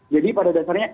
jadi pada dasarnya